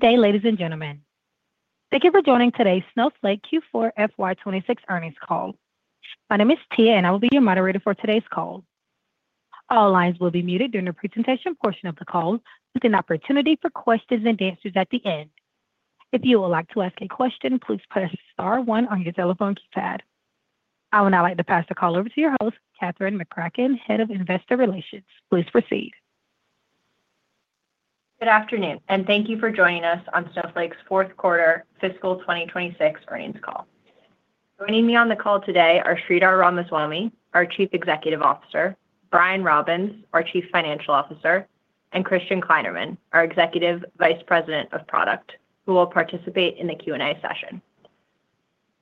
Good day, ladies and gentlemen. Thank you for joining today's Snowflake Q4 FY 2026 earnings call. My name is Tia. I will be your moderator for today's call. All lines will be muted during the presentation portion of the call, with an opportunity for questions and answers at the end. If you would like to ask a question, please press star one on your telephone keypad. I would now like to pass the call over to your host, Catherine McCracken, Head of Investor Relations. Please proceed. Good afternoon. Thank you for joining us on Snowflake's fourth quarter fiscal 2026 earnings call. Joining me on the call today are Sridhar Ramaswamy, our Chief Executive Officer, Brian Robins, our Chief Financial Officer, and Christian Kleinerman, our Executive Vice President of Product, who will participate in the Q&A session.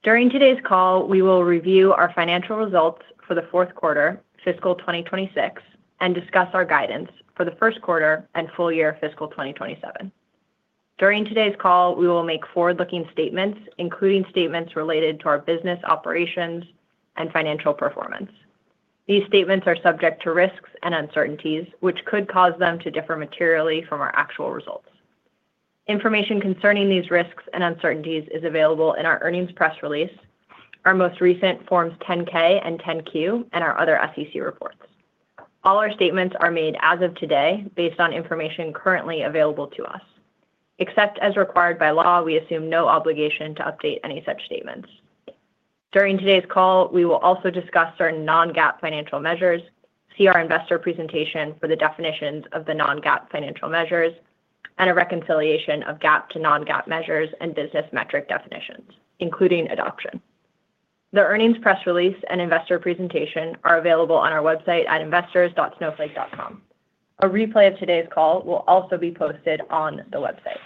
During today's call, we will review our financial results for the fourth quarter fiscal 2026 and discuss our guidance for the first quarter and full year fiscal 2027. During today's call, we will make forward-looking statements, including statements related to our business operations and financial performance. These statements are subject to risks and uncertainties, which could cause them to differ materially from our actual results. Information concerning these risks and uncertainties is available in our earnings press release, our most recent Forms 10-K and 10-Q, and our other SEC reports. All our statements are made as of today, based on information currently available to us. Except as required by law, we assume no obligation to update any such statements. During today's call, we will also discuss our non-GAAP financial measures, see our investor presentation for the definitions of the non-GAAP financial measures, and a reconciliation of GAAP to non-GAAP measures and business metric definitions, including adoption. The earnings press release and investor presentation are available on our website at investors.snowflake.com. A replay of today's call will also be posted on the website.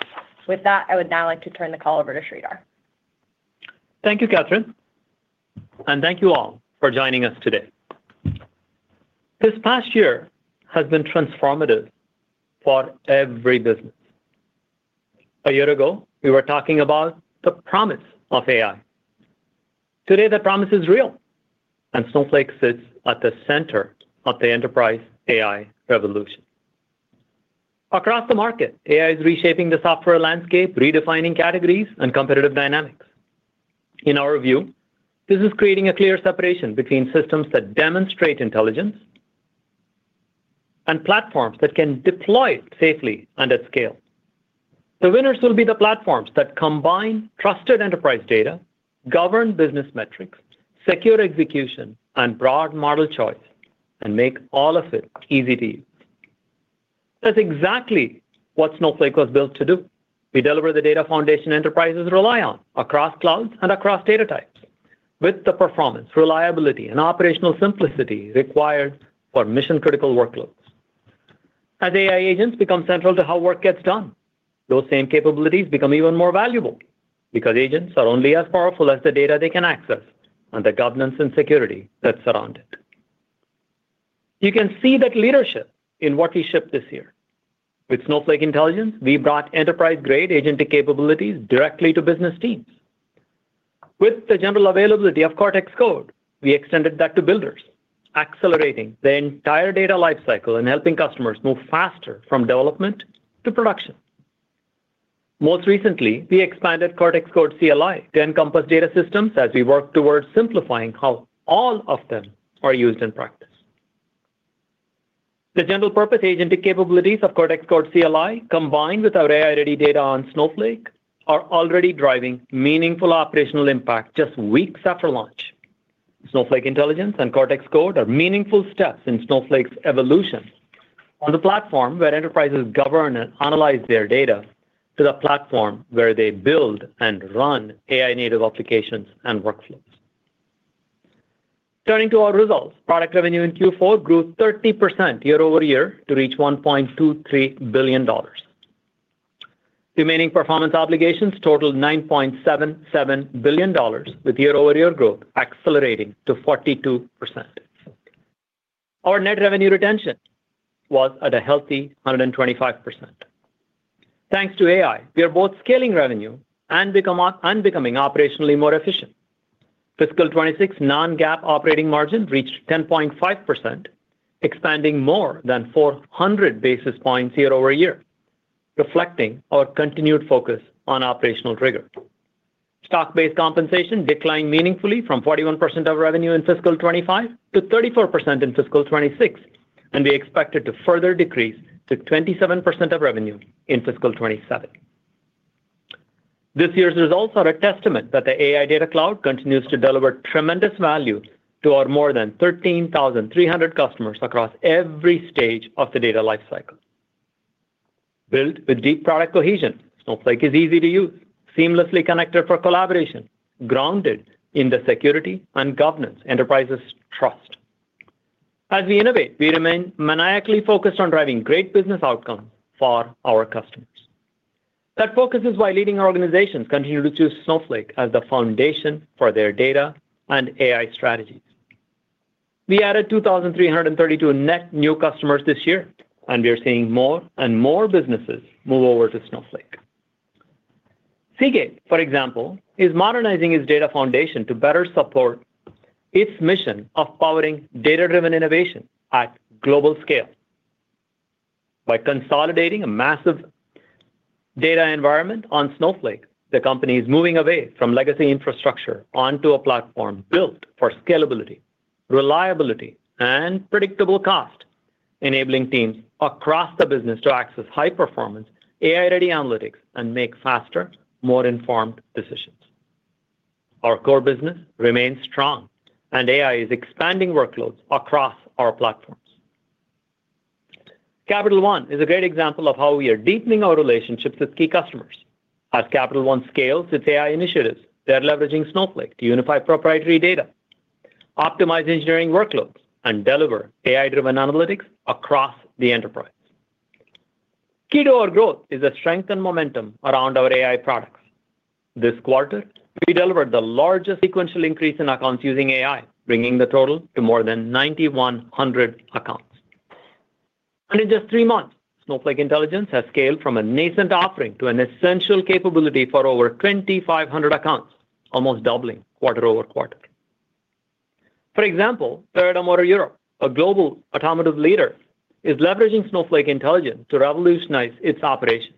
With that, I would now like to turn the call over to Sridhar. Thank you, Catherine, and thank you all for joining us today. This past year has been transformative for every business. A year ago, we were talking about the promise of AI. Today, that promise is real, and Snowflake sits at the center of the enterprise AI revolution. Across the market, AI is reshaping the software landscape, redefining categories and competitive dynamics. In our view, this is creating a clear separation between systems that demonstrate intelligence and platforms that can deploy it safely and at scale. The winners will be the platforms that combine trusted enterprise data, govern business metrics, secure execution, and broad model choice, and make all of it easy to use. That's exactly what Snowflake was built to do. We deliver the data foundation enterprises rely on across clouds and across data types, with the performance, reliability, and operational simplicity required for mission-critical workloads. As AI agents become central to how work gets done, those same capabilities become even more valuable, because agents are only as powerful as the data they can access and the governance and security that surround it. You can see that leadership in what we shipped this year. With Snowflake Intelligence, we brought enterprise-grade agentic capabilities directly to business teams. With the general availability of Cortex Code, we extended that to builders, accelerating the entire data lifecycle and helping customers move faster from development to production. Most recently, we expanded Cortex Code CLI to encompass data systems as we work towards simplifying how all of them are used in practice. The general-purpose agentic capabilities of Cortex Code CLI, combined with our AI-ready data on Snowflake, are already driving meaningful operational impact just weeks after launch. Snowflake Intelligence and Cortex Code are meaningful steps in Snowflake's evolution on the platform where enterprises govern and analyze their data to the platform where they build and run AI-native applications and workflows. Turning to our results, product revenue in Q4 grew 30% year-over-year to reach $1.23 billion. Remaining performance obligations totaled $9.77 billion, with year-over-year growth accelerating to 42%. Our net revenue retention was at a healthy 125%. Thanks to AI, we are both scaling revenue and becoming operationally more efficient. Fiscal 26 non-GAAP operating margin reached 10.5%, expanding more than 400 basis points year-over-year, reflecting our continued focus on operational rigor. Stock-based compensation declined meaningfully from 41% of revenue in fiscal 2025 to 34% in fiscal 2026. We expect it to further decrease to 27% of revenue in fiscal 2027. This year's results are a testament that the AI Data Cloud continues to deliver tremendous value to our more than 13,300 customers across every stage of the data lifecycle. Built with deep product cohesion, Snowflake is easy to use, seamlessly connected for collaboration, grounded in the security and governance enterprises trust. As we innovate, we remain maniacally focused on driving great business outcomes for our customers. That focus is why leading organizations continue to choose Snowflake as the foundation for their data and AI strategies. We added 2,332 net new customers this year. We are seeing more and more businesses move over to Snowflake. Seagate, for example, is modernizing its data foundation to better support its mission of powering data-driven innovation at global scale. By consolidating a massive data environment on Snowflake, the company is moving away from legacy infrastructure onto a platform built for scalability, reliability, and predictable cost, enabling teams across the business to access high-performance, AI-ready analytics and make faster, more informed decisions. AI is expanding workloads across our platforms. Capital One is a great example of how we are deepening our relationships with key customers. As Capital One scales its AI initiatives, they're leveraging Snowflake to unify proprietary data, optimize engineering workloads, and deliver AI-driven analytics across the enterprise. Key to our growth is the strength and momentum around our AI products. This quarter, we delivered the largest sequential increase in accounts using AI, bringing the total to more than 9,100 accounts. In just three months, Snowflake Intelligence has scaled from a nascent offering to an essential capability for over 2,500 accounts, almost doubling quarter-over-quarter. For example, Toyota Motor Europe, a global automotive leader, is leveraging Snowflake Intelligence to revolutionize its operations.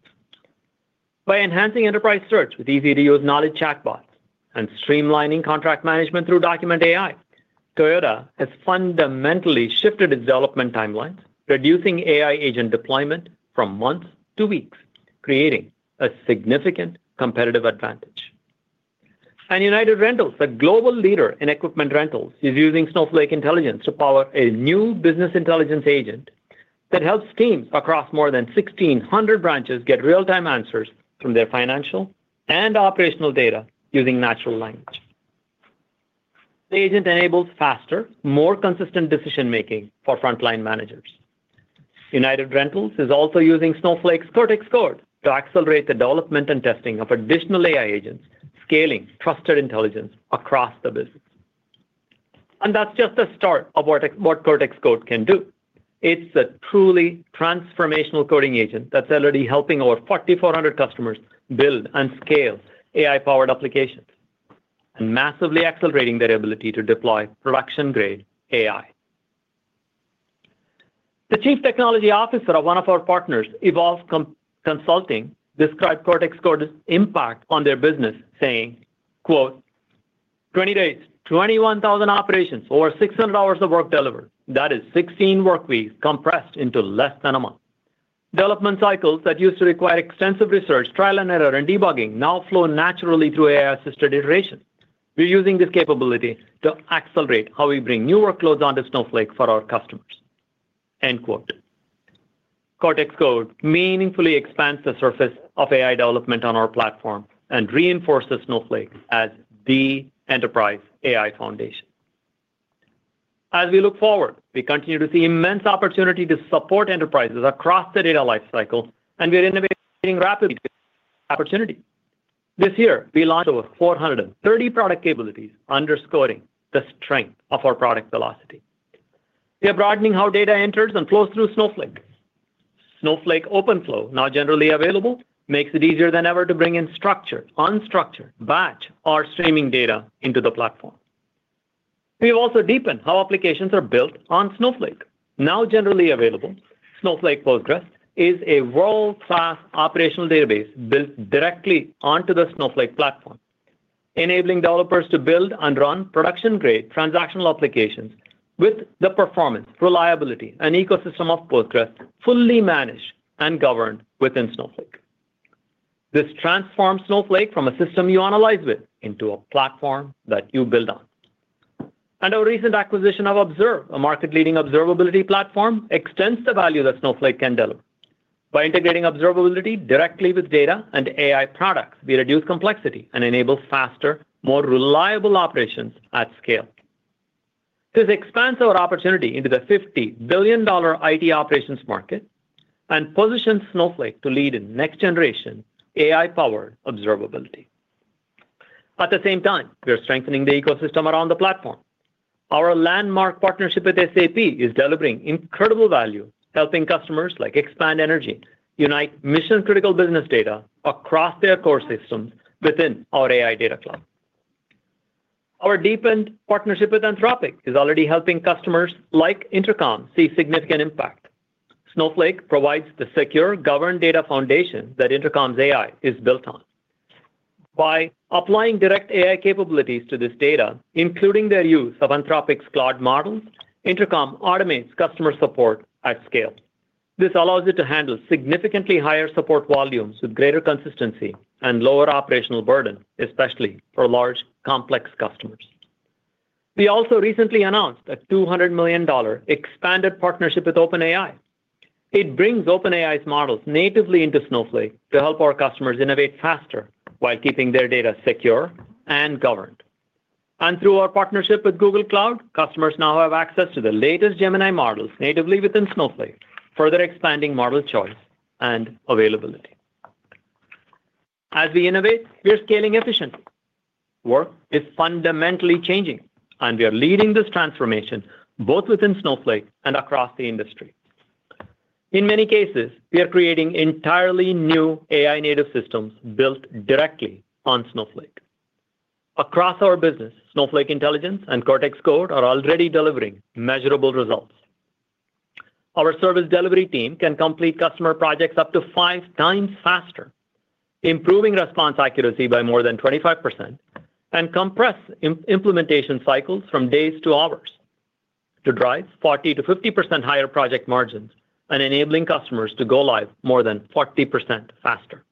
By enhancing enterprise search with easy-to-use knowledge chatbots and streamlining contract management through Document AI, Toyota has fundamentally shifted its development timelines, reducing AI agent deployment from months to weeks, creating a significant competitive advantage. United Rentals, a global leader in equipment rentals, is using Snowflake Intelligence to power a new business intelligence agent that helps teams across more than 1,600 branches get real-time answers from their financial and operational data using natural language. The agent enables faster, more consistent decision-making for frontline managers. United Rentals is also using Snowflake's Cortex Code to accelerate the development and testing of additional AI agents, scaling trusted intelligence across the business. That's just the start of what Cortex Code can do. It's a truly transformational coding agent that's already helping over 4,400 customers build and scale AI-powered applications and massively accelerating their ability to deploy production-grade AI. The Chief Technology Officer of one of our partners, Evolv Consulting, described Cortex Code's impact on their business, saying, quote, "20 days, 21,000 operations, or 600 hours of work delivered. That is 16 workweeks compressed into less than a month. Development cycles that used to require extensive research, trial and error, and debugging now flow naturally through AI-assisted iteration. We're using this capability to accelerate how we bring new workloads onto Snowflake for our customers," end quote. Cortex Code meaningfully expands the surface of AI development on our platform and reinforces Snowflake as the enterprise AI foundation. As we look forward, we continue to see immense opportunity to support enterprises across the data lifecycle, and we are innovating rapidly opportunity. This year, we launched over 430 product capabilities, underscoring the strength of our product velocity. We are broadening how data enters and flows through Snowflake. Snowflake Openflow, now generally available, makes it easier than ever to bring in structured, unstructured, batch, or streaming data into the platform. We've also deepened how applications are built on Snowflake. Now generally available, Snowflake Postgres is a world-class operational database built directly onto the Snowflake platform, enabling developers to build and run production-grade transactional applications with the performance, reliability, and ecosystem of Postgres, fully managed and governed within Snowflake. This transforms Snowflake from a system you analyze with into a platform that you build on. Our recent acquisition of Observe, a market-leading observability platform, extends the value that Snowflake can deliver. By integrating observability directly with data and AI products, we reduce complexity and enable faster, more reliable operations at scale. This expands our opportunity into the $50 billion IT operations market and positions Snowflake to lead in next-generation AI-powered observability. At the same time, we are strengthening the ecosystem around the platform. Our landmark partnership with SAP is delivering incredible value, helping customers like Expand Energy unite mission-critical business data across their core systems within our AI Data Cloud. Our deepened partnership with Anthropic is already helping customers like Intercom see significant impact. Snowflake provides the secure, governed data foundation that Intercom's AI is built on. By applying direct AI capabilities to this data, including their use of Anthropic's Claude models, Intercom automates customer support at scale. This allows it to handle significantly higher support volumes with greater consistency and lower operational burden, especially for large, complex customers. We also recently announced a $200 million expanded partnership with OpenAI. It brings OpenAI's models natively into Snowflake to help our customers innovate faster while keeping their data secure and governed. Through our partnership with Google Cloud, customers now have access to the latest Gemini models natively within Snowflake, further expanding model choice and availability. As we innovate, we are scaling efficiently. Work is fundamentally changing, and we are leading this transformation both within Snowflake and across the industry. In many cases, we are creating entirely new AI-native systems built directly on Snowflake. Across our business, Snowflake Intelligence and Cortex Code are already delivering measurable results. Our service delivery team can complete customer projects up to 5x faster, improving response accuracy by more than 25%, and compress implementation cycles from days to hours to drive 40%-50% higher project margins and enabling customers to go live more than 40% faster.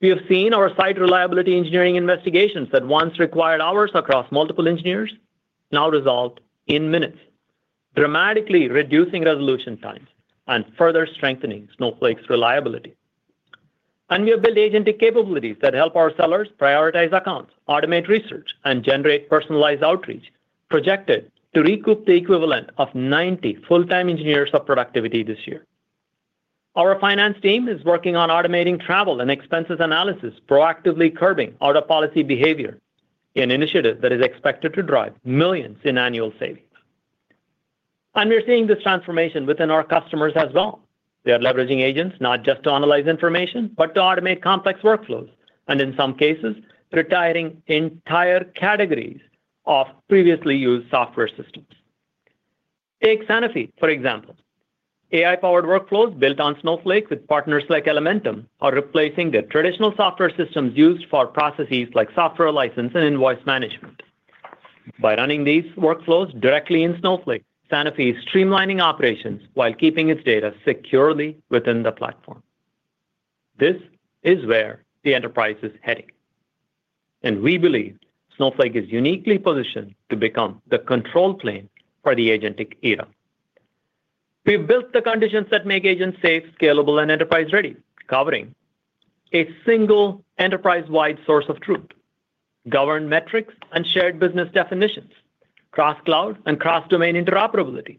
We have seen our site reliability engineering investigations that once required hours across multiple engineers, now resolved in minutes, dramatically reducing resolution times and further strengthening Snowflake's reliability. We have built agentic capabilities that help our sellers prioritize accounts, automate research, and generate personalized outreach, projected to recoup the equivalent of 90 full-time engineers of productivity this year. Our finance team is working on automating travel and expenses analysis, proactively curbing out-of-policy behavior, an initiative that is expected to drive $ millions in annual savings. We're seeing this transformation within our customers as well. They are leveraging agents not just to analyze information, but to automate complex workflows, and in some cases, retiring entire categories of previously used software systems. Take Sanofi, for example. AI-powered workflows built on Snowflake with partners like Elementum are replacing the traditional software systems used for processes like software license and invoice management. By running these workflows directly in Snowflake, Sanofi is streamlining operations while keeping its data securely within the platform. This is where the enterprise is heading. We believe Snowflake is uniquely positioned to become the control plane for the agentic era. We've built the conditions that make agents safe, scalable, and enterprise-ready, covering a single enterprise-wide source of truth, governed metrics and shared business definitions, cross-cloud and cross-domain interoperability,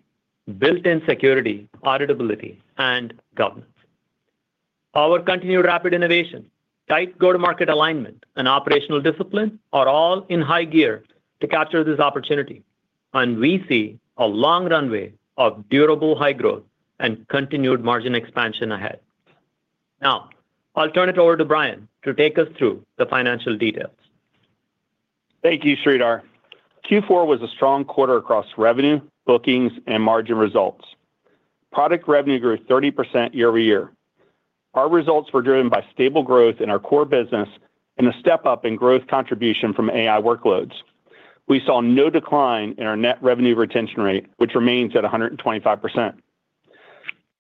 built-in security, auditability, and governance. Our continued rapid innovation, tight go-to-market alignment, and operational discipline are all in high gear to capture this opportunity. We see a long runway of durable high growth and continued margin expansion ahead. Now, I'll turn it over to Brian to take us through the financial details. Thank you, Sridhar. Q4 was a strong quarter across revenue, bookings, and margin results. Product revenue grew 30% year-over-year. Our results were driven by stable growth in our core business and a step-up in growth contribution from AI workloads. We saw no decline in our net revenue retention rate, which remains at 125%.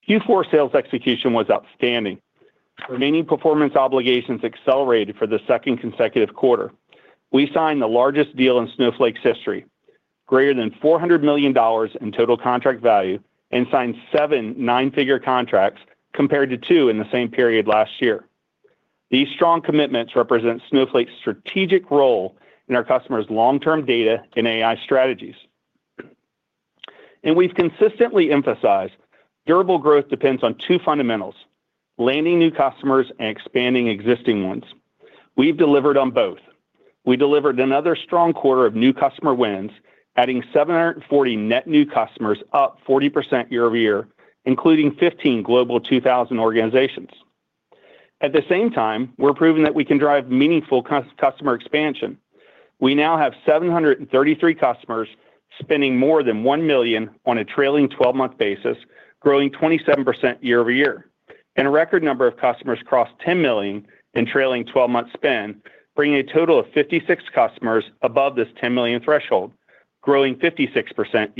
Q4 sales execution was outstanding. Remaining performance obligations accelerated for the second consecutive quarter. We signed the largest deal in Snowflake's history, greater than $400 million in total contract value, and signed 7 nine-figure contracts, compared to two in the same period last year. These strong commitments represent Snowflake's strategic role in our customers' long-term data and AI strategies. We've consistently emphasized durable growth depends on two fundamentals: landing new customers and expanding existing ones. We've delivered on both. We delivered another strong quarter of new customer wins, adding 740 net new customers, up 40% year-over-year, including 15 Forbes Global 2000 organizations. At the same time, we're proving that we can drive meaningful customer expansion. We now have 733 customers spending more than $1 million on a trailing-twelve-month basis, growing 27% year-over-year. A record number of customers crossed $10 million in trailing-twelve-month spend, bringing a total of 56 customers above this $10 million threshold, growing 56%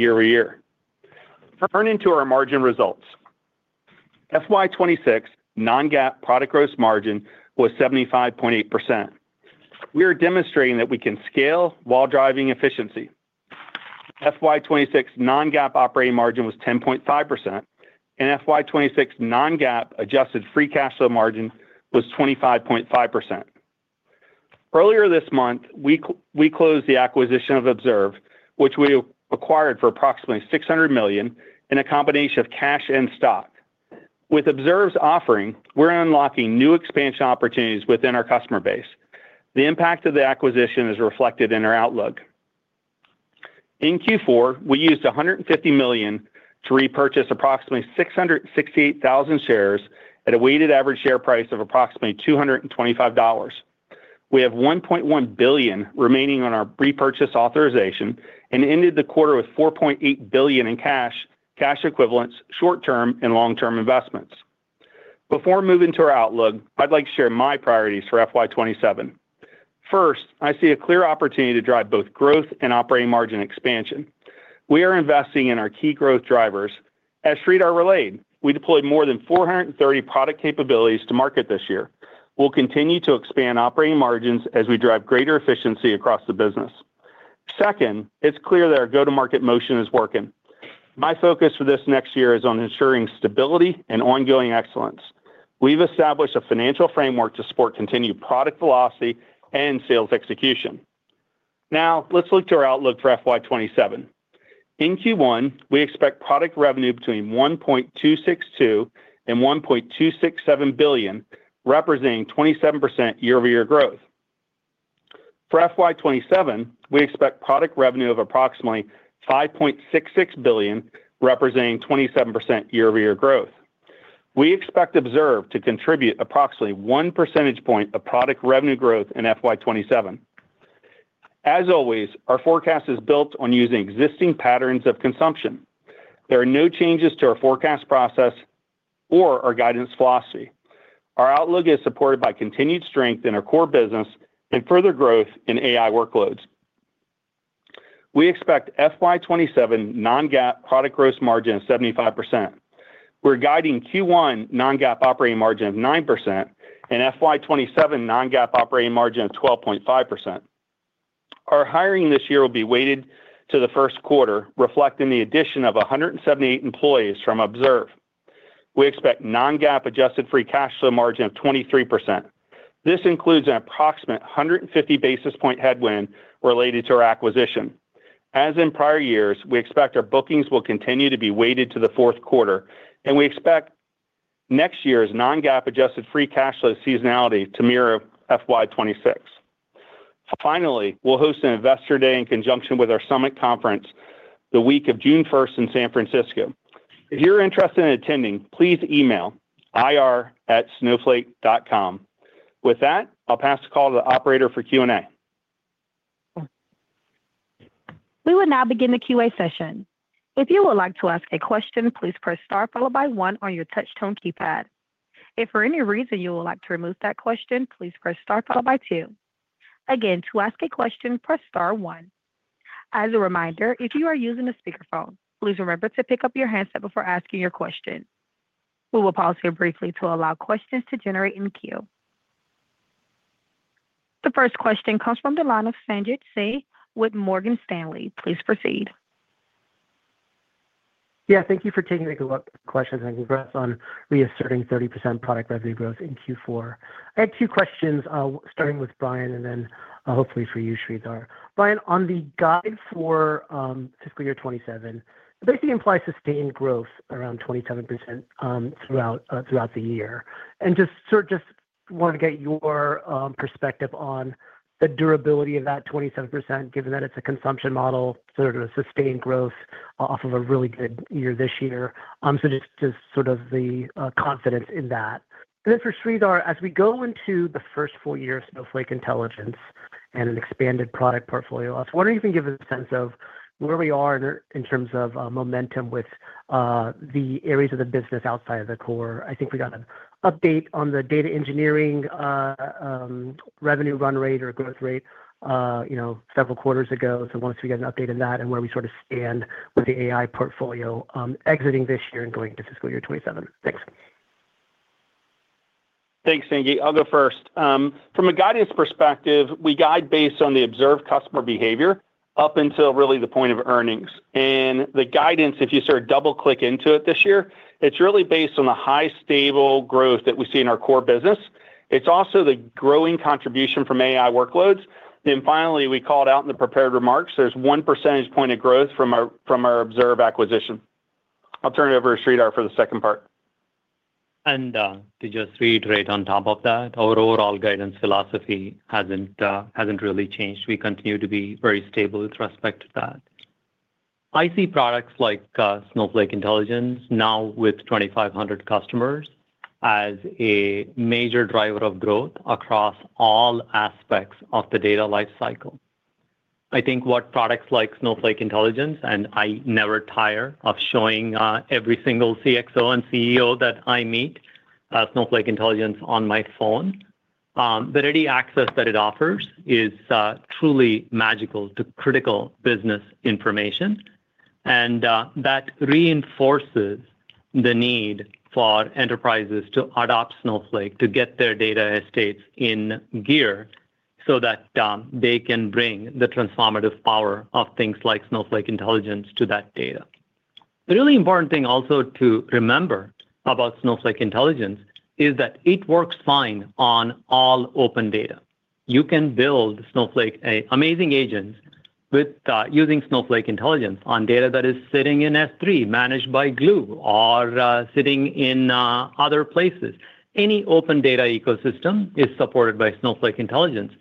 year-over-year. Turning to our margin results. FY26 non-GAAP product gross margin was 75.8%. We are demonstrating that we can scale while driving efficiency. FY26 non-GAAP operating margin was 10.5%. FY26 non-GAAP adjusted free cash flow margin was 25.5%. Earlier this month, we closed the acquisition of Observe, which we acquired for approximately $600 million in a combination of cash and stock. With Observe's offering, we're unlocking new expansion opportunities within our customer base. The impact of the acquisition is reflected in our outlook. In Q4, we used $150 million to repurchase approximately 668,000 shares at a weighted average share price of approximately $225. We have $1.1 billion remaining on our repurchase authorization and ended the quarter with $4.8 billion in cash equivalents, short-term, and long-term investments. Before moving to our outlook, I'd like to share my priorities for FY 2027. First, I see a clear opportunity to drive both growth and operating margin expansion. We are investing in our key growth drivers. As Sridhar relayed, we deployed more than 430 product capabilities to market this year. We'll continue to expand operating margins as we drive greater efficiency across the business. Second, it's clear that our go-to-market motion is working. My focus for this next year is on ensuring stability and ongoing excellence. We've established a financial framework to support continued product velocity and sales execution. Now, let's look to our outlook for FY 2027. In Q1, we expect product revenue between $1.262 billion and $1.267 billion, representing 27% year-over-year growth. For FY 2027, we expect product revenue of approximately $5.66 billion, representing 27% year-over-year growth. We expect Observe to contribute approximately one percentage point of product revenue growth in FY 2027. As always, our forecast is built on using existing patterns of consumption. There are no changes to our forecast process or our guidance philosophy. Our outlook is supported by continued strength in our core business and further growth in AI workloads. We expect FY 2027 non-GAAP product gross margin of 75%. We're guiding Q1 non-GAAP operating margin of 9% and FY 2027 non-GAAP operating margin of 12.5%. Our hiring this year will be weighted to the first quarter, reflecting the addition of 178 employees from Observe. We expect non-GAAP adjusted free cash flow margin of 23%. This includes an approximate 150 basis point headwind related to our acquisition. As in prior years, we expect our bookings will continue to be weighted to the fourth quarter, and we expect next year's non-GAAP adjusted free cash flow seasonality to mirror FY 2026. Finally, we'll host an Investor Day in conjunction with our Summit conference the week of June first in San Francisco. If you're interested in attending, please email ir@snowflake.com. With that, I'll pass the call to the operator for Q&A. We will now begin the QA session. If you would like to ask a question, please press Star one on your touch-tone keypad. If for any reason you would like to remove that question, please press Star two. Again, to ask a question, press Star one. As a reminder, if you are using a speakerphone, please remember to pick up your handset before asking your question. We will pause here briefly to allow questions to generate in the queue. The first question comes from the line of Sanjit Singh with Morgan Stanley. Please proceed. Yeah, thank you for taking the questions, and congrats on reasserting 30% product revenue growth in Q4. I had two questions, starting with Brian and then, hopefully for you, Sridhar. Brian, on the guide for fiscal year 2027, it basically implies sustained growth around 27% throughout the year. Just sort of just want to get your perspective on the durability of that 27%, given that it's a consumption model, sort of a sustained growth off of a really good year this year. Just, just sort of the confidence in that. For Sridhar, as we go into the first full year of Snowflake Intelligence and an expanded product portfolio, I was wondering if you can give us a sense of where we are in terms of momentum with the areas of the business outside of the core. I think we got an update on the data engineering revenue run rate or growth rate, you know, several quarters ago. I wanted to get an update on that and where we sort of stand with the AI portfolio, exiting this year and going into fiscal year 2027. Thanks. Thanks, Sanjit. I'll go first. From a guidance perspective, we guide based on the observed customer behavior up until really the point of earnings. The guidance, if you sort of double-click into it this year, it's really based on the high, stable growth that we see in our core business. It's also the growing contribution from AI workloads. Finally, we called out in the prepared remarks, there's one percentage point of growth from our Observe acquisition. I'll turn it over to Sridhar for the second part. To just reiterate on top of that, our overall guidance philosophy hasn't really changed. We continue to be very stable with respect to that. I see products like Snowflake Intelligence, now with 2,500 customers, as a major driver of growth across all aspects of the data lifecycle. I think what products like Snowflake Intelligence, and I never tire of showing every single CXO and CEO that I meet, Snowflake Intelligence on my phone, the ready access that it offers is truly magical to critical business information, and that reinforces the need for enterprises to adopt Snowflake to get their data estates in gear so that they can bring the transformative power of things like Snowflake Intelligence to that data. The really important thing also to remember about Snowflake Intelligence is that it works fine on all open data. You can build Snowflake amazing agents with using Snowflake Intelligence on data that is sitting in S3, managed by Glue, or sitting in other places. Any open data ecosystem is supported by Snowflake Intelligence,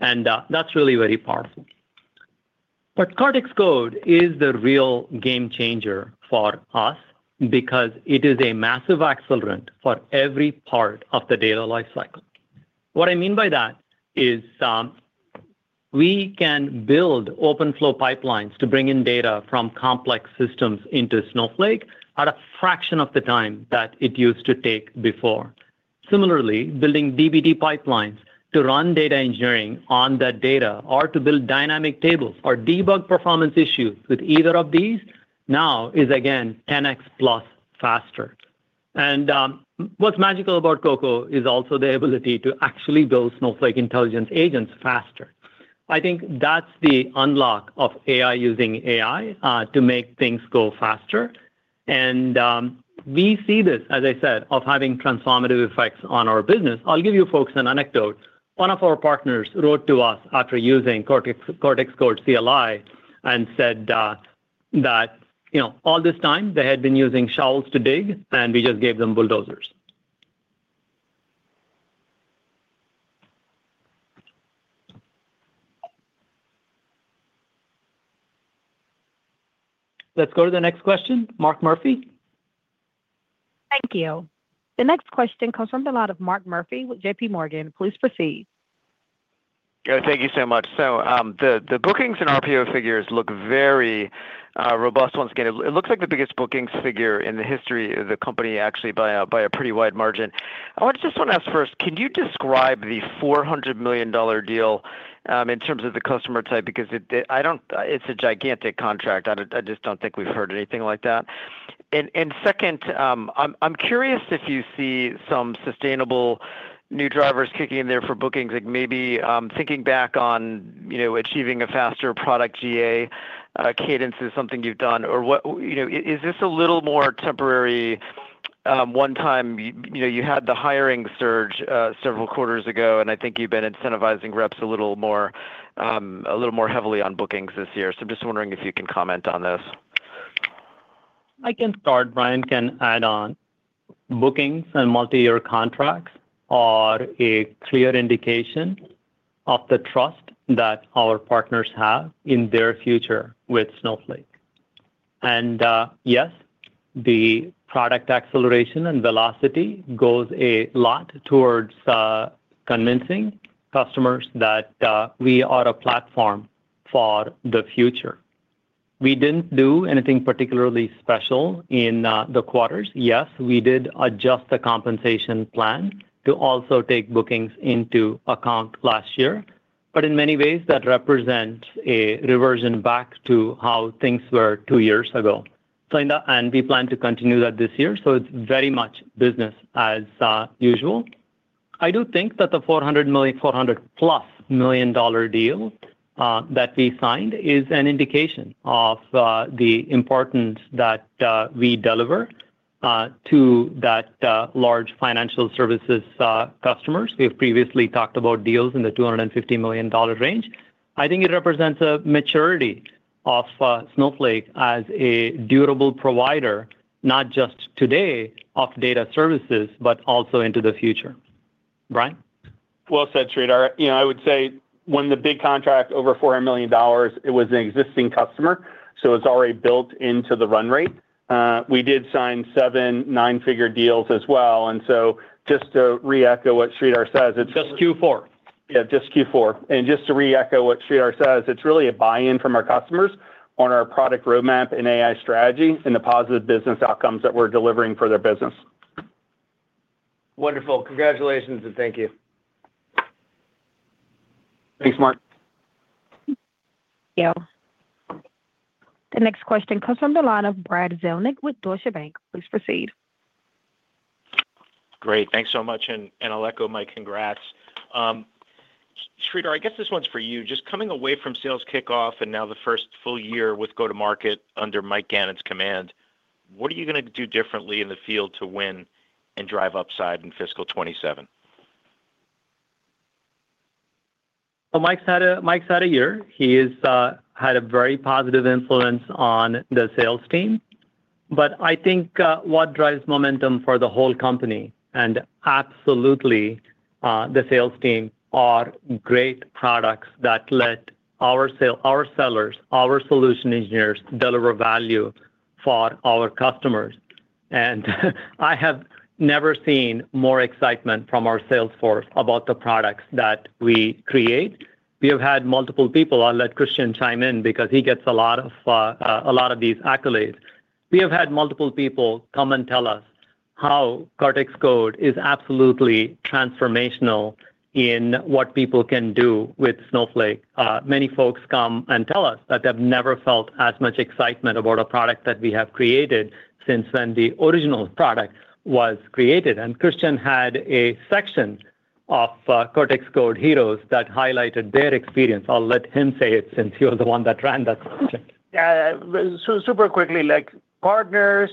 and that's really very powerful. Cortex Code is the real game changer for us because it is a massive accelerant for every part of the data lifecycle. What I mean by that is, we can build open flow pipelines to bring in data from complex systems into Snowflake at a fraction of the time that it used to take before. Similarly, building dbt pipelines to run data engineering on that data or to build dynamic tables or debug performance issues with either of these now is again, 10x+ faster. What's magical about CoCo is also the ability to actually build Snowflake Intelligence agents faster. I think that's the unlock of AI using AI to make things go faster. We see this, as I said, of having transformative effects on our business. I'll give you folks an anecdote. One of our partners wrote to us after using Cortex Code CLI and said that, you know, all this time, they had been using shovels to dig, and we just gave them bulldozers. Let's go to the next question, Mark Murphy. Thank you. The next question comes from the line of Mark Murphy with JPMorgan. Please proceed. Yeah, thank you so much. The bookings and RPO figures look very robust once again. It looks like the biggest bookings figure in the history of the company, actually, by a pretty wide margin. I just want to ask first, can you describe the $400 million deal in terms of the customer type? Because it's a gigantic contract. I don't, I just don't think we've heard anything like that. Second, I'm curious if you see some sustainable new drivers kicking in there for bookings, like maybe, thinking back on, you know, achieving a faster product GA cadence is something you've done, or what... You know, is this a little more temporary, one time, you know, you had the hiring surge, several quarters ago, and I think you've been incentivizing reps a little more, a little more heavily on bookings this year. I'm just wondering if you can comment on this. I can start, Brian can add on. Bookings and multi-year contracts are a clear indication of the trust that our partners have in their future with Snowflake. Yes, the product acceleration and velocity goes a lot towards convincing customers that we are a platform for the future. We didn't do anything particularly special in the quarters. Yes, we did adjust the compensation plan to also take bookings into account last year, but in many ways, that represent a reversion back to how things were two years ago. In that, and we plan to continue that this year, so it's very much business as usual. I do think that the $400 million, $400+ million deal that we signed is an indication of the importance that we deliver to that large financial services customers. We have previously talked about deals in the $250 million range. I think it represents a maturity of, Snowflake as a durable provider, not just today, of data services, but also into the future. Brian? Well said, Sridhar. You know, I would say when the big contract over $400 million, it was an existing customer, so it's already built into the run rate. We did sign 7 nine-figure deals as well, just to re-echo what Sridhar says. Just Q4. Yeah, just Q4. Just to re-echo what Sridhar says, it's really a buy-in from our customers on our product roadmap and AI strategy, and the positive business outcomes that we're delivering for their business. Wonderful. Congratulations. Thank you. Thanks, Mark. Thank you. The next question comes from the line of Brad Zelnick with Deutsche Bank. Please proceed. Great. Thanks so much, and I'll echo my congrats. Sridhar, I guess this one's for you. Just coming away from sales kickoff and now the first full year with go-to-market under Mike Gannon's command, what are you gonna do differently in the field to win and drive upside in fiscal 2027? Well, Mike's had a year. He is had a very positive influence on the sales team. I think what drives momentum for the whole company, and absolutely, the sales team, are great products that let our sellers, our solution engineers, deliver value for our customers. I have never seen more excitement from our sales force about the products that we create. We have had multiple people, I'll let Christian chime in, because he gets a lot of these accolades. We have had multiple people come and tell us how Cortex Code is absolutely transformational in what people can do with Snowflake. Many folks come and tell us that they've never felt as much excitement about a product that we have created since when the original product was created. Christian had a section of Cortex Code heroes that highlighted their experience. I'll let him say it, since he was the one that ran that section. Yeah, super quickly, like, partners,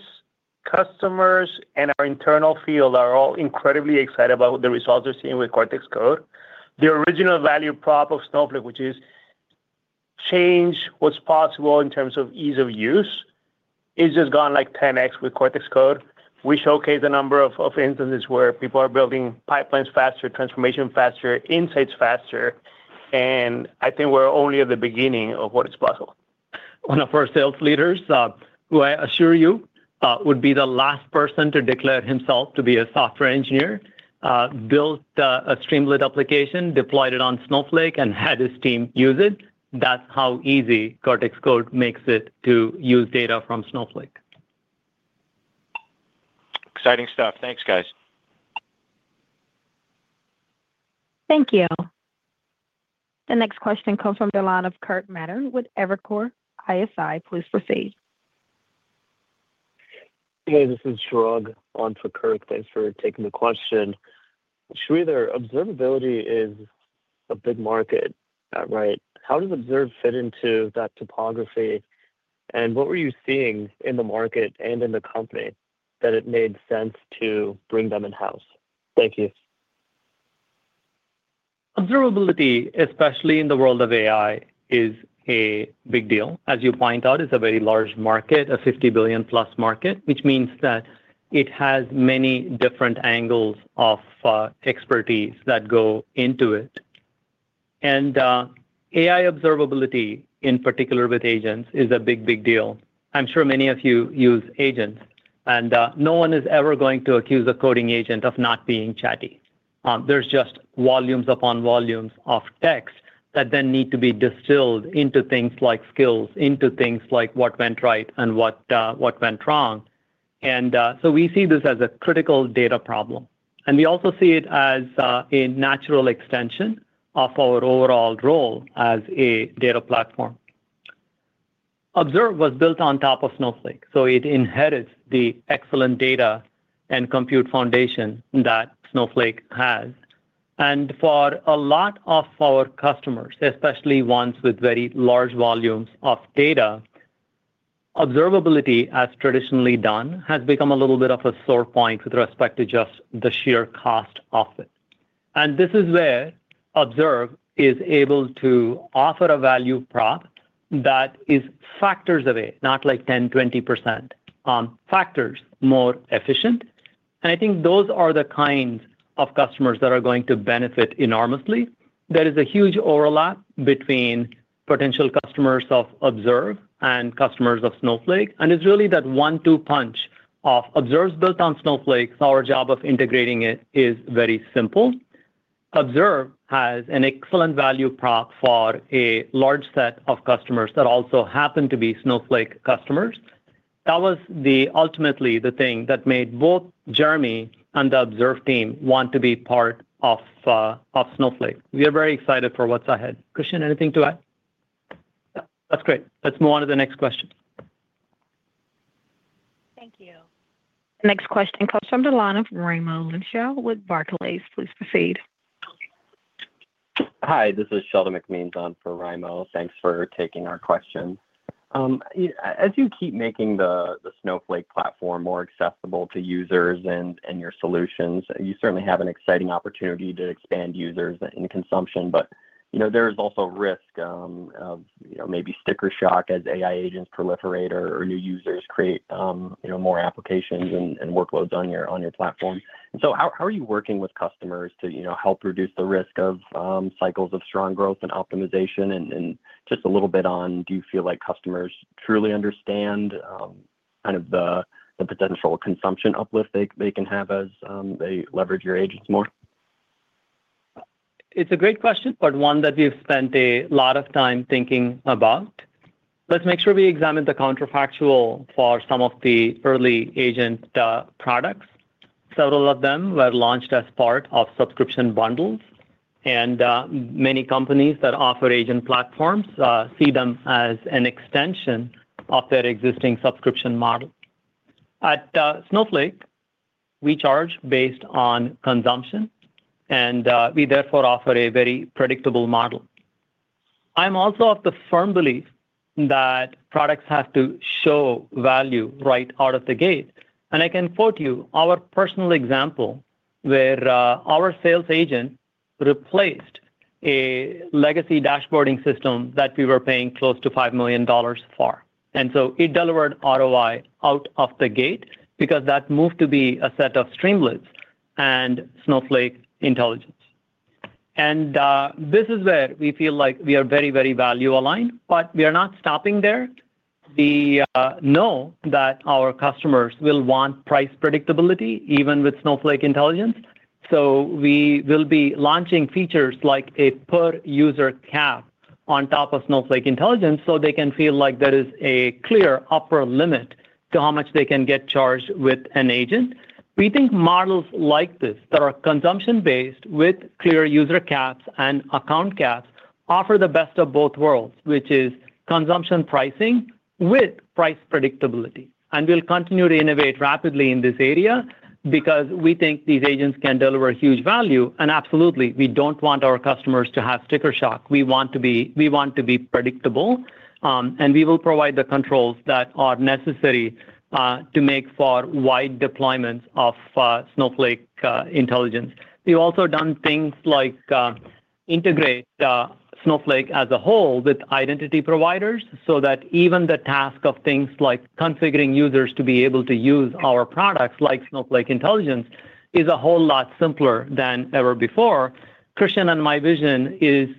customers, and our internal field are all incredibly excited about the results they're seeing with Cortex Code. The original value prop of Snowflake, which is change what's possible in terms of ease of use, is just gone like 10x with Cortex Code. We showcase a number of instances where people are building pipelines faster, transformation faster, insights faster. I think we're only at the beginning of what is possible. One of our sales leaders, who I assure you, would be the last person to declare himself to be a software engineer, built a Streamlit application, deployed it on Snowflake and had his team use it. That's how easy Cortex Code makes it to use data from Snowflake. Exciting stuff. Thanks, guys. Thank you. The next question comes from the line of Kirk Materne with Evercore ISI. Please proceed. Hey, this is Chirag on for Kirk, thanks for taking the question. Sridhar, observability is a big market, right? What were you seeing in the market and in the company that it made sense to bring them in-house? Thank you. Observability, especially in the world of AI, is a big deal. As you point out, it's a very large market, a $50+ billion market, which means that it has many different angles of expertise that go into it. AI observability, in particular with agents, is a big deal. I'm sure many of you use agents, no one is ever going to accuse a coding agent of not being chatty. There's just volumes upon volumes of text that then need to be distilled into things like skills, into things like what went right and what went wrong. We see this as a critical data problem, and we also see it as a natural extension of our overall role as a data platform. Observe was built on top of Snowflake, so it inherits the excellent data and compute foundation that Snowflake has. For a lot of our customers, especially ones with very large volumes of data, observability, as traditionally done, has become a little bit of a sore point with respect to just the sheer cost of it. This is where Observe is able to offer a value prop that is factors away, not like 10%, 20%, factors more efficient, and I think those are the kinds of customers that are going to benefit enormously. There is a huge overlap between potential customers of Observe and customers of Snowflake. It's really that one-two punch of Observe's built on Snowflake, so our job of integrating it is very simple. Observe has an excellent value prop for a large set of customers that also happen to be Snowflake customers. That was the ultimately the thing that made both Jeremy and the Observe team want to be part of Snowflake. We are very excited for what's ahead. Christian, anything to add? No. That's great. Let's move on to the next question. Thank you. The next question comes from the line of Raimo Lenschow with Barclays. Please proceed. Hi, this is Sheldon McMeans on for Raimo. Thanks for taking our question. As you keep making the Snowflake platform more accessible to users and your solutions, you certainly have an exciting opportunity to expand users and consumption. You know, there is also risk of, you know, maybe sticker shock as AI agents proliferate or new users create, you know, more applications and workloads on your platform. How are you working with customers to, you know, help reduce the risk of cycles of strong growth and optimization? Just a little bit on, do you feel like customers truly understand kind of the potential consumption uplift they can have as they leverage your agents more? It's a great question, one that we've spent a lot of time thinking about. Let's make sure we examine the counterfactual for some of the early agent products. Several of them were launched as part of subscription bundles, many companies that offer agent platforms see them as an extension of their existing subscription model. At Snowflake, we charge based on consumption, we therefore offer a very predictable model. I'm also of the firm belief that products have to show value right out of the gate, I can quote you our personal example, where our sales agent replaced a legacy dashboarding system that we were paying close to $5 million for. So it delivered ROI out of the gate because that moved to be a set of Streamlit and Snowflake Intelligence. This is where we feel like we are very, very value-aligned. We are not stopping there. We know that our customers will want price predictability even with Snowflake Intelligence. We will be launching features like a per-user cap on top of Snowflake Intelligence. They can feel like there is a clear upper limit to how much they can get charged with an agent. We think models like this, that are consumption-based with clear user caps and account caps, offer the best of both worlds, which is consumption pricing with price predictability. We'll continue to innovate rapidly in this area because we think these agents can deliver huge value, and absolutely, we don't want our customers to have sticker shock. We want to be predictable, and we will provide the controls that are necessary to make for wide deployment of Snowflake Intelligence. We've also done things like integrate Snowflake as a whole with identity providers, so that even the task of things like configuring users to be able to use our products, like Snowflake Intelligence, is a whole lot simpler than ever before. Christian and my vision is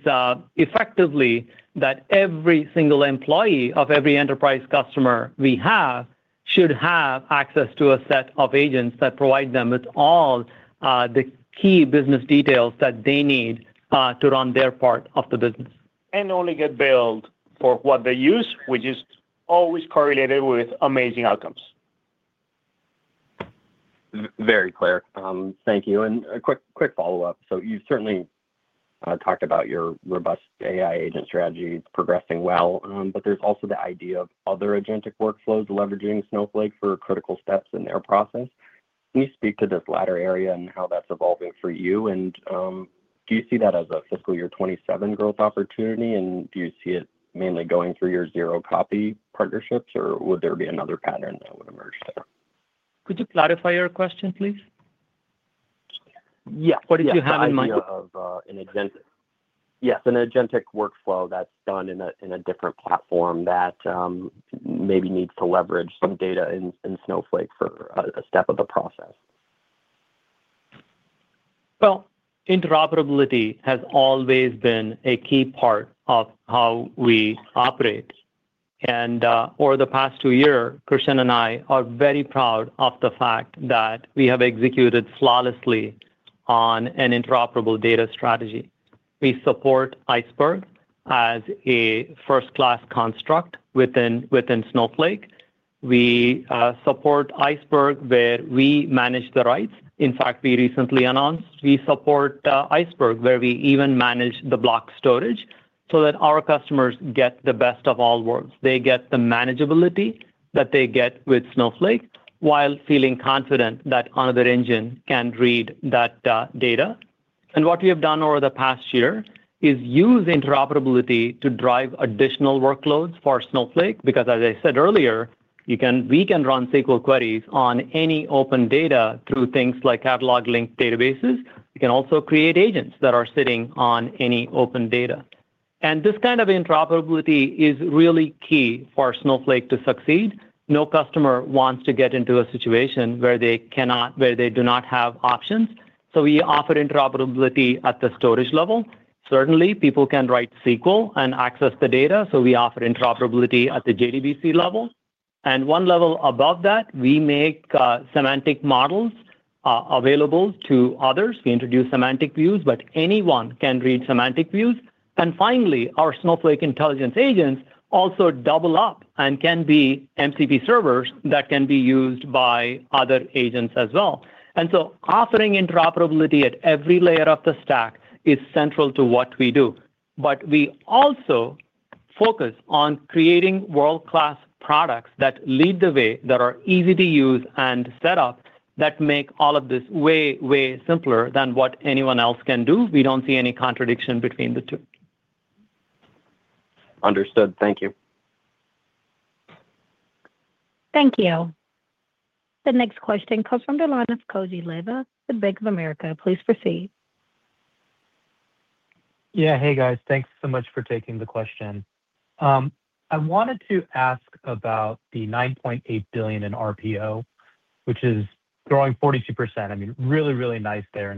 effectively that every single employee of every enterprise customer we have, should have access to a set of agents that provide them with all the key business details that they need to run their part of the business. Only get billed for what they use, which is always correlated with amazing outcomes. Very clear. Thank you. A quick follow-up. You've certainly talked about your robust AI agent strategy progressing well. There's also the idea of other agentic workflows leveraging Snowflake for critical steps in their process. Can you speak to this latter area and how that's evolving for you, and do you see that as a fiscal year 27 growth opportunity, and do you see it mainly going through your zero-copy partnerships, or would there be another pattern that would-? Could you clarify your question, please? Yeah. What did you have in mind? The idea of an agentic workflow that's done in a different platform that maybe needs to leverage some data in Snowflake for a step of the process. Well, interoperability has always been a key part of how we operate. Over the past two years, Christian and I are very proud of the fact that we have executed flawlessly on an interoperable data strategy. We support Iceberg as a first-class construct within Snowflake. We support Iceberg, where we manage the writes. In fact, we recently announced we support Iceberg, where we even manage the block storage, so that our customers get the best of all worlds. They get the manageability that they get with Snowflake, while feeling confident that another engine can read that data. What we have done over the past year is use interoperability to drive additional workloads for Snowflake, because, as I said earlier, we can run SQL queries on any open data through things like catalog-linked databases. We can also create agents that are sitting on any open data. This kind of interoperability is really key for Snowflake to succeed. No customer wants to get into a situation where they do not have options. We offer interoperability at the storage level. Certainly, people can write SQL and access the data, so we offer interoperability at the JDBC level. One level above that, we make semantic models available to others. We introduce semantic views, but anyone can read semantic views. Finally, our Snowflake Intelligence agents also double up and can be MCP servers that can be used by other agents as well. Offering interoperability at every layer of the stack is central to what we do. We also focus on creating world-class products that lead the way, that are easy to use and set up, that make all of this way simpler than what anyone else can do. We don't see any contradiction between the two. Understood. Thank you. Thank you. The next question comes from the line of Koji Ikeda, Bank of America. Please proceed. Yeah. Hey, guys. Thanks so much for taking the question. I wanted to ask about the $9.8 billion in RPO, which is growing 42%. I mean, really, really nice there.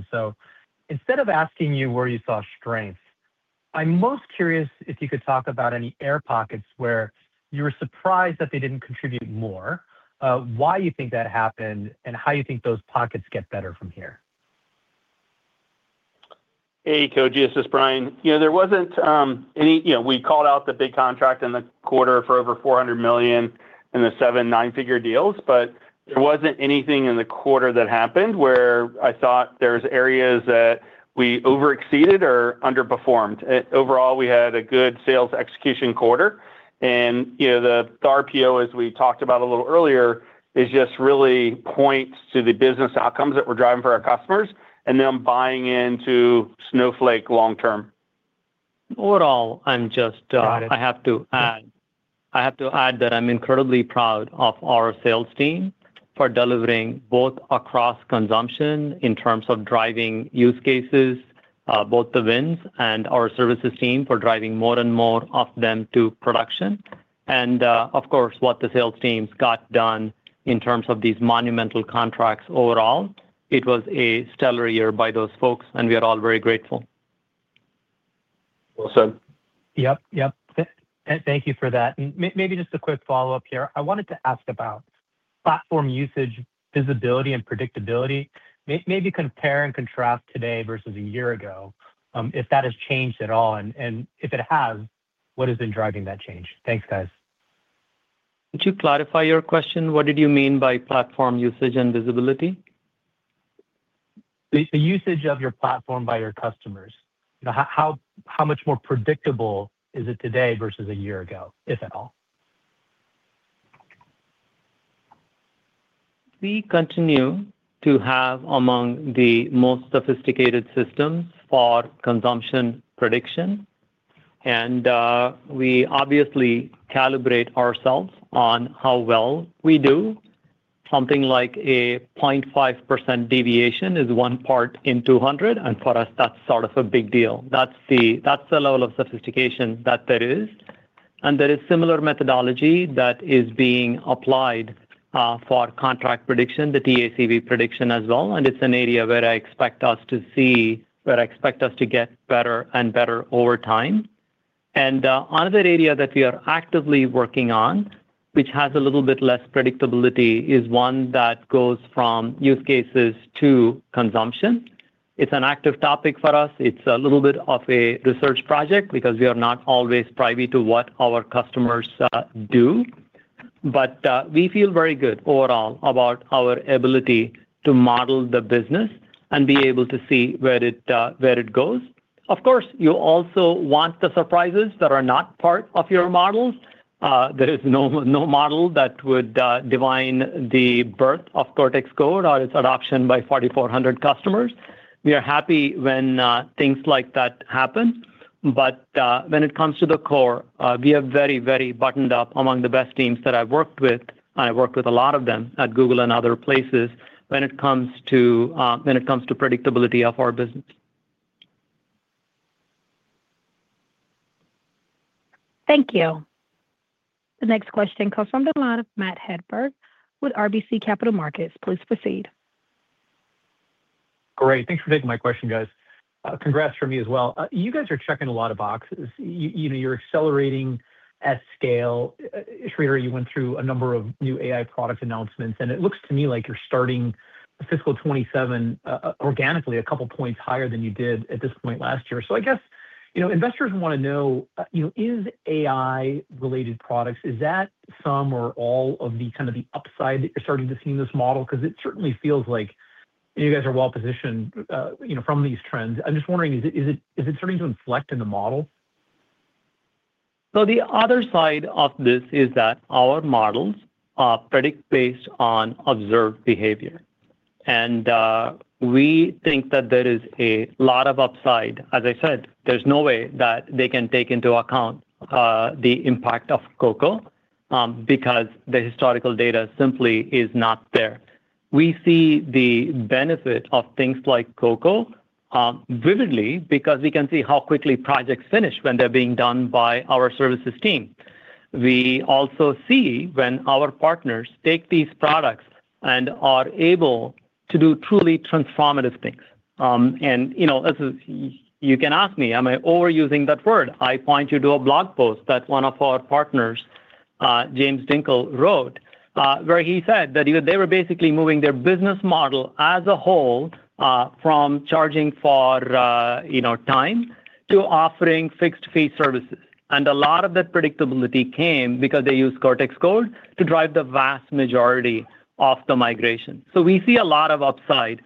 Instead of asking you where you saw strength, I'm most curious if you could talk about any air pockets where you were surprised that they didn't contribute more, why you think that happened, and how you think those pockets get better from here? Hey, Koji, this is Brian. You know, there wasn't. You know, we called out the big contract in the quarter for over $400 million in the seven nine-figure deals, but there wasn't anything in the quarter that happened where I thought there's areas that we overexceeded or underperformed. Overall, we had a good sales execution quarter, and, you know, the RPO, as we talked about a little earlier, is just really points to the business outcomes that we're driving for our customers, and them buying into Snowflake long term. Overall, I'm just. Got it. I have to add that I'm incredibly proud of our sales team for delivering both across consumption in terms of driving use cases, both the wins and our services team for driving more and more of them to production. Of course, what the sales teams got done in terms of these monumental contracts. Overall, it was a stellar year by those folks, and we are all very grateful. Well said. Yep. Thank you for that. Maybe just a quick follow-up here. I wanted to ask about platform usage, visibility, and predictability. Maybe compare and contrast today versus a year ago, if that has changed at all, and if it has, what has been driving that change? Thanks, guys. Could you clarify your question? What did you mean by platform usage and visibility? The usage of your platform by your customers. You know, how much more predictable is it today versus a year ago, if at all? We continue to have among the most sophisticated systems for consumption prediction, and we obviously calibrate ourselves on how well we do. Something like a 0.5% deviation is one part in 200, and for us, that's sort of a big deal. That's the level of sophistication that there is. There is similar methodology that is being applied for contract prediction, the TACV prediction as well, and it's an area where I expect us to see, where I expect us to get better and better over time. Another area that we are actively working on, which has a little bit less predictability, is one that goes from use cases to consumption. It's an active topic for us. It's a little bit of a research project because we are not always privy to what our customers do. We feel very good overall about our ability to model the business and be able to see where it goes. Of course, you also want the surprises that are not part of your models. There is no model that would divine the birth of Cortex Code or its adoption by 4,400 customers. We are happy when things like that happen. When it comes to the core, we are very, very buttoned up, among the best teams that I've worked with, and I've worked with a lot of them at Google and other places when it comes to predictability of our business. Thank you. The next question comes from the line of Matt Hedberg with RBC Capital Markets. Please proceed. Great. Thanks for taking my question, guys. Congrats from me as well. You guys are checking a lot of boxes. You know, you're accelerating at scale. Sridhar, you went through a number of new AI product announcements, and it looks to me like you're starting fiscal 2027, organically, a couple points higher than you did at this point last year. I guess, you know, investors want to know, you know, is AI-related products, is that some or all of the kind of the upside that you're starting to see in this model? Because it certainly feels like you guys are well-positioned, you know, from these trends. I'm just wondering, is it starting to inflect in the model? The other side of this is that our models predict based on observed behavior. We think that there is a lot of upside. As I said, there's no way that they can take into account the impact of CoCo, because the historical data simply is not there. We see the benefit of things like CoCo vividly because we can see how quickly projects finish when they're being done by our services team. We also see when our partners take these products and are able to do truly transformative things. You know, as you can ask me, am I overusing that word? I point you to a blog post that one of our partners, James Dinkel wrote, where he said that they were basically moving their business model as a whole, from charging for, you know, time to offering fixed-fee services. A lot of that predictability came because they used Cortex Code to drive the vast majority of the migration. We see a lot of upside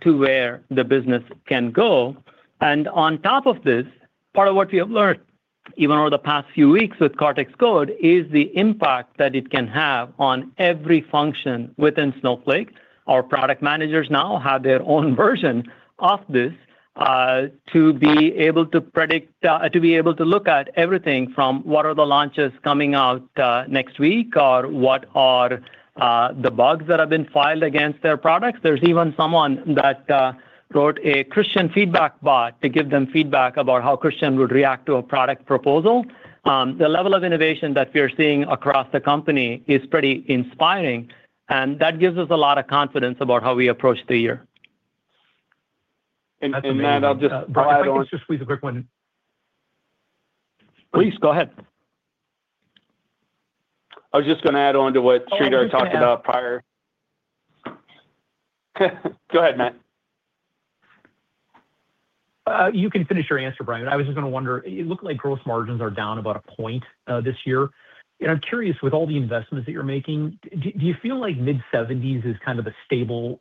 to where the business can go. On top of this, part of what we have learned, even over the past few weeks with Cortex Code, is the impact that it can have on every function within Snowflake. Our product managers now have their own version of this to be able to look at everything from what are the launches coming out next week, or what are the bugs that have been filed against their products. There's even someone that wrote a Christian feedback bot to give them feedback about how Christian would react to a product proposal. The level of innovation that we're seeing across the company is pretty inspiring, that gives us a lot of confidence about how we approach the year. Matt, I'll just add. If I could just squeeze a quick one in. Please, go ahead. I was just going to add on to what Sridhar talked about prior. Go ahead, Matt. You can finish your answer, Brian. I was just going to wonder, it looked like gross margins are down about a point this year. I'm curious, with all the investments that you're making, do you feel like mid-70s is kind of a stable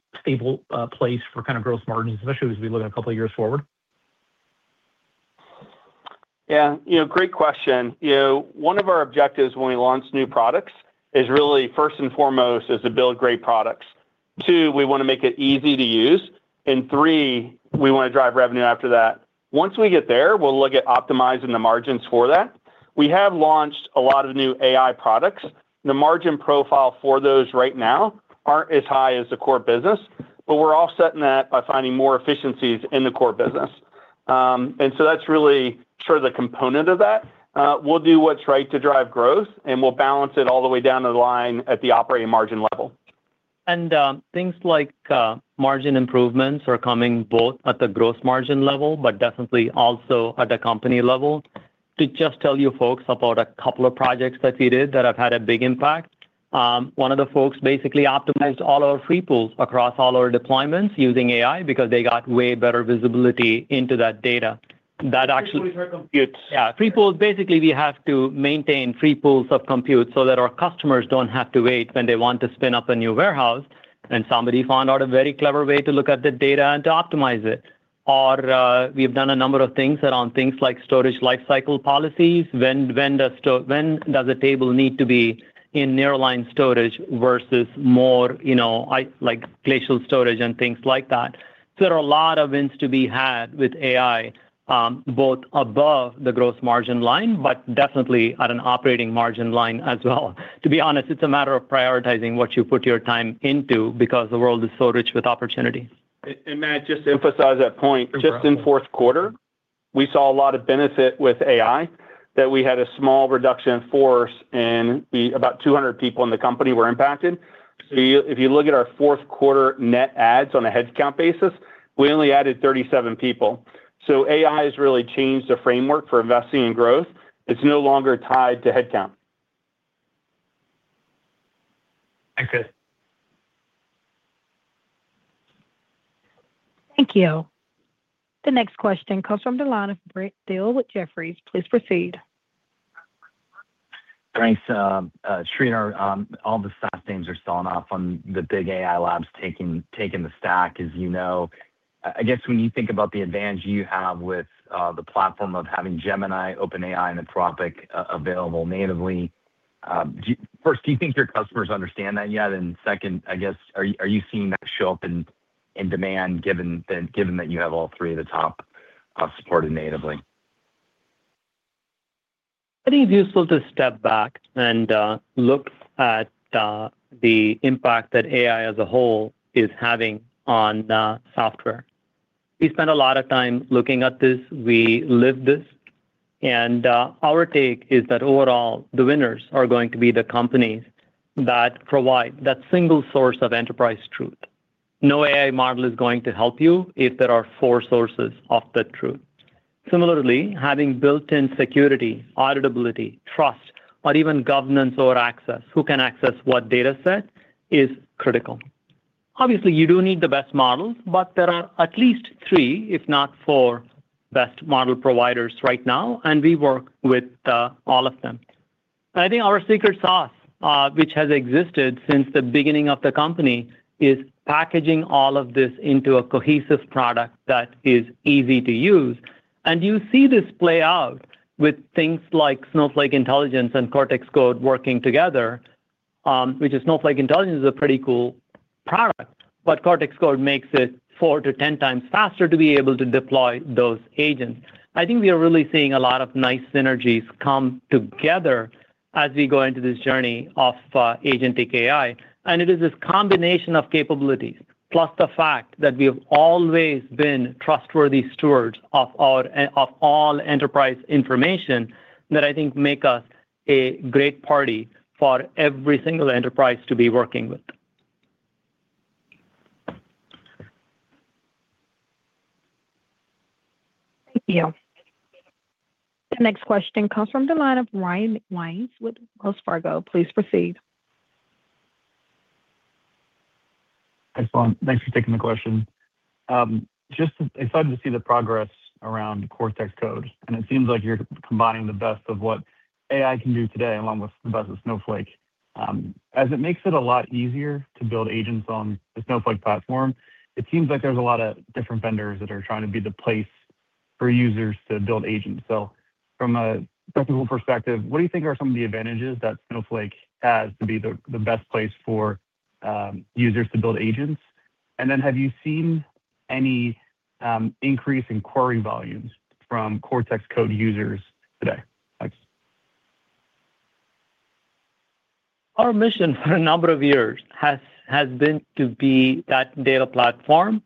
place for kind of gross margins, especially as we look at 2 years forward? Yeah, you know, great question. You know, one of our objectives when we launch new products is really, first and foremost, is to build great products. Two, we want to make it easy to use, and three, we want to drive revenue after that. Once we get there, we'll look at optimizing the margins for that. We have launched a lot of new AI products. The margin profile for those right now aren't as high as the core business, but we're offsetting that by finding more efficiencies in the core business. That's really sort of the component of that. We'll do what's right to drive growth, we'll balance it all the way down to the line at the operating margin level. Things like margin improvements are coming both at the gross margin level, but definitely also at the company level. To just tell you folks about a couple of projects that we did that have had a big impact, one of the folks basically optimized all our free pools across all our deployments using AI because they got way better visibility into that data. Free pools are computes. Yeah, free pools, basically, we have to maintain free pools of compute so that our customers don't have to wait when they want to spin up a new warehouse, and somebody found out a very clever way to look at the data and to optimize it. We've done a number of things around things like storage lifecycle policies, when does a table need to be in nearline storage versus more, you know, like, glacial storage and things like that. There are a lot of wins to be had with AI, both above the gross margin line, but definitely at an operating margin line as well. To be honest, it's a matter of prioritizing what you put your time into because the world is so rich with opportunity. Matt, just to emphasize that point, just in fourth quarter, we saw a lot of benefit with AI, that we had a small reduction in force. About 200 people in the company were impacted. If you look at our fourth quarter net adds on a headcount basis, we only added 37 people. AI has really changed the framework for investing in growth. It's no longer tied to headcount. Thank you. Thank you. The next question comes from the line of Brent Thill with Jefferies. Please proceed. Thanks. Sridhar, all the SaaS teams are selling off on the big AI labs taking the stack, as you know. I guess when you think about the advantage you have with the platform of having Gemini, OpenAI, and Anthropic available natively, Do you, first, do you think your customers understand that yet? Second, I guess, are you seeing that show up in demand, given that you have all three of the top supported natively? I think it's useful to step back and look at the impact that AI as a whole is having on software. We spent a lot of time looking at this, we live this, and our take is that overall, the winners are going to be the companies that provide that single source of enterprise truth. No AI model is going to help you if there are four sources of the truth. Similarly, having built-in security, auditability, trust, or even governance over access, who can access what data set, is critical. Obviously, you do need the best models, but there are at least three, if not four, best model providers right now, and we work with all of them. I think our secret sauce, which has existed since the beginning of the company, is packaging all of this into a cohesive product that is easy to use. You see this play out with things like Snowflake Intelligence and Cortex Code working together, which is Snowflake Intelligence is a pretty cool product, but Cortex Code makes it 4 to 10 times faster to be able to deploy those agents. I think we are really seeing a lot of nice synergies come together as we go into this journey of agentic AI. It is this combination of capabilities, plus the fact that we have always been trustworthy stewards of all enterprise information, that I think make us a great party for every single enterprise to be working with. Thank you. The next question comes from the line of Ryan MacWilliams with Wells Fargo. Please proceed. Hi, Sridhar. Thanks for taking the question. Just excited to see the progress around Cortex Code, and it seems like you're combining the best of what AI can do today, along with the best of Snowflake. As it makes it a lot easier to build agents on the Snowflake platform, it seems like there's a lot of different vendors that are trying to be the place for users to build agents. From a technical perspective, what do you think are some of the advantages that Snowflake has to be the best place for users to build agents? Then, have you seen any increase in query volumes from Cortex Code users today? Thanks. Our mission for a number of years has been to be that data platform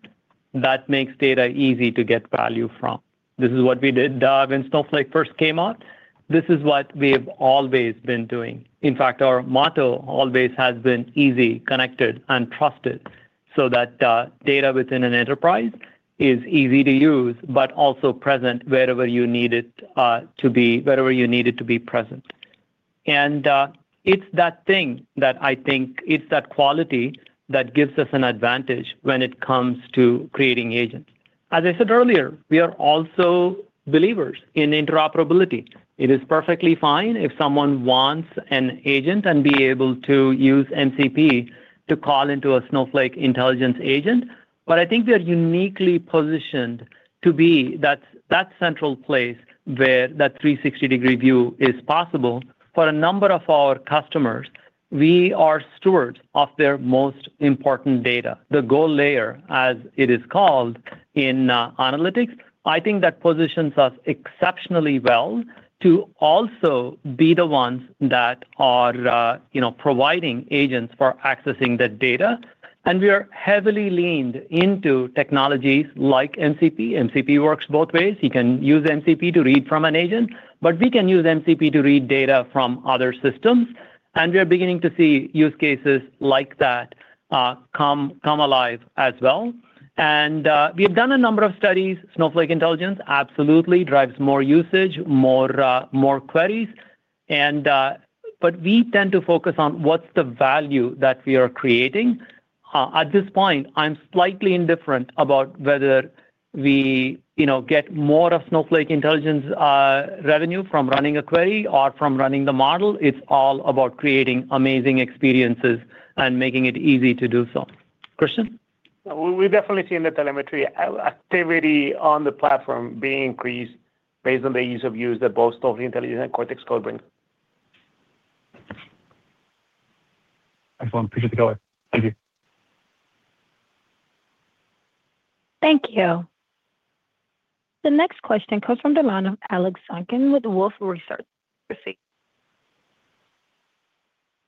that makes data easy to get value from. This is what we did when Snowflake first came out. This is what we've always been doing. In fact, our motto always has been "Easy, connected, and trusted," so that data within an enterprise is easy to use, but also present wherever you need it to be, wherever you need it to be present. It's that thing that I think it's that quality that gives us an advantage when it comes to creating agents. As I said earlier, we are also believers in interoperability. It is perfectly fine if someone wants an agent and be able to use MCP to call into a Snowflake Intelligence agent, but I think we are uniquely positioned to be that central place where that 360-degree view is possible. For a number of our customers, we are stewards of their most important data, the gold layer, as it is called in analytics. I think that positions us exceptionally well to also be the ones that are, you know, providing agents for accessing that data, and we are heavily leaned into technologies like MCP. MCP works both ways. You can use MCP to read from an agent, but we can use MCP to read data from other systems, and we are beginning to see use cases like that come alive as well. We have done a number of studies. Snowflake Intelligence absolutely drives more usage, more queries. We tend to focus on what's the value that we are creating. At this point, I'm slightly indifferent about whether we, you know, get more of Snowflake Intelligence revenue from running a query or from running the model. It's all about creating amazing experiences and making it easy to do so. Christian? We've definitely seen the telemetry activity on the platform being increased based on the ease of use that both Snowflake Intelligence and Cortex Code bring. Excellent. Appreciate the color. Thank you. Thank you. The next question comes from the line of Alex Zukin with Wolfe Research. Proceed.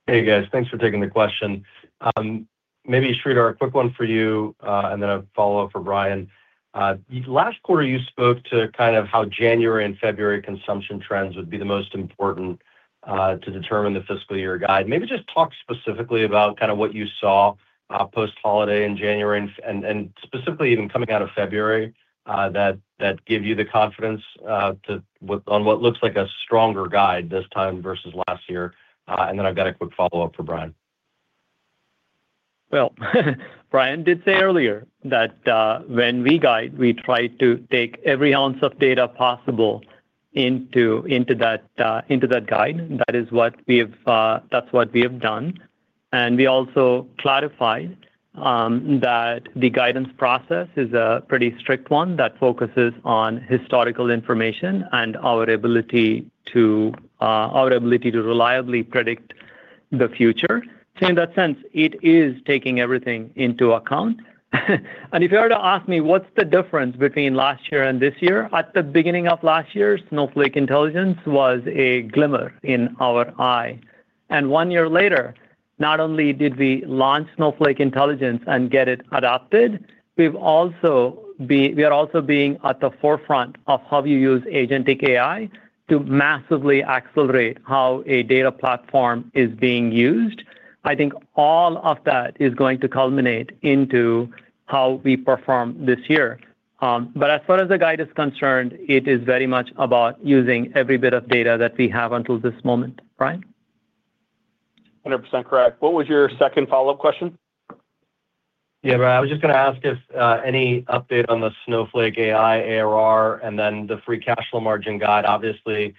Hey, guys. Thanks for taking the question. Maybe, Sridhar, a quick one for you, and then a follow-up for Brian. Last quarter, you spoke to kind of how January and February consumption trends would be the most important, to determine the fiscal year guide. Maybe just talk specifically about kind of what you saw, post-holiday in January and specifically even coming out of February, that give you the confidence on what looks like a stronger guide this time versus last year. Then I've got a quick follow-up for Brian. Well, Brian did say earlier that when we guide, we try to take every ounce of data possible into that guide. That is what we have, that's what we have done. We also clarified that the guidance process is a pretty strict one that focuses on historical information and our ability to reliably predict the future. In that sense, it is taking everything into account. If you were to ask me, what's the difference between last year and this year? At the beginning of last year, Snowflake Intelligence was a glimmer in our eye, and 1 year later, not only did we launch Snowflake Intelligence and get it adopted, we are also being at the forefront of how you use agentic AI to massively accelerate how a data platform is being used. I think all of that is going to culminate into how we perform this year. As far as the guide is concerned, it is very much about using every bit of data that we have until this moment. Brian? 100% correct. What was your second follow-up question? Yeah, Brian, I was just going to ask if any update on the Snowflake AI ARR, and then the free cash flow margin guide, obviously,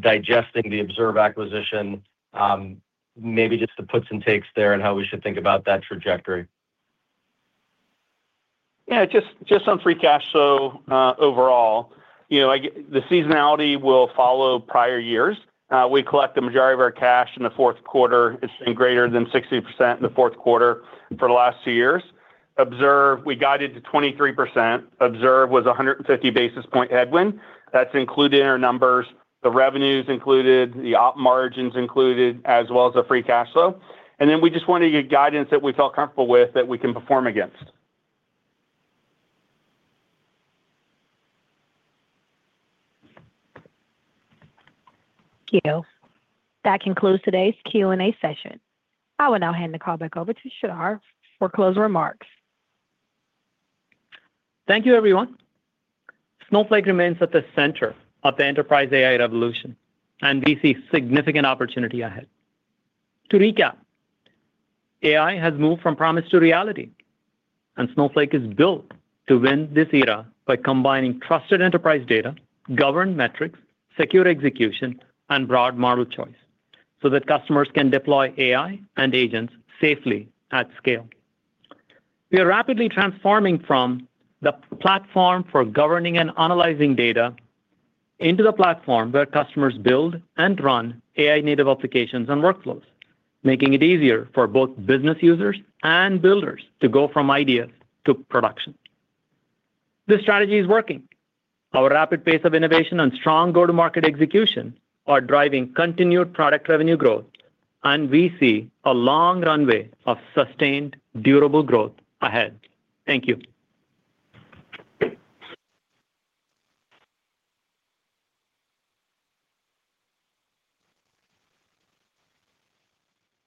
digesting the Observe acquisition, maybe just the puts and takes there, and how we should think about that trajectory? Yeah, just on free cash flow, overall, you know, the seasonality will follow prior years. We collect the majority of our cash in the fourth quarter. It's been greater than 60% in the fourth quarter for the last two years. Observe, we guided to 23%. Observe was a 150 basis point headwind. That's included in our numbers, the revenues included, the op margins included, as well as the free cash flow. Then we just wanted to give guidance that we felt comfortable with, that we can perform against. Thank you. That concludes today's Q&A session. I will now hand the call back over to Sridhar for closing remarks. Thank you, everyone. Snowflake remains at the center of the enterprise AI revolution. We see significant opportunity ahead. To recap, AI has moved from promise to reality. Snowflake is built to win this era by combining trusted enterprise data, governed metrics, secure execution, and broad model choice, that customers can deploy AI and agents safely at scale. We are rapidly transforming from the platform for governing and analyzing data into the platform where customers build and run AI-native applications and workflows, making it easier for both business users and builders to go from idea to production. This strategy is working. Our rapid pace of innovation and strong go-to-market execution are driving continued product revenue growth. We see a long runway of sustained, durable growth ahead. Thank you.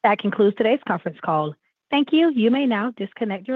That concludes today's conference call. Thank you. You may now disconnect your line.